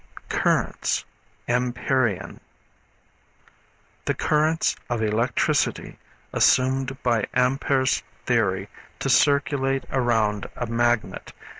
Currents, Ampérian. The currents of electricity assumed by Ampere's theory to circulate around a magnet.